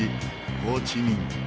ホーチミン。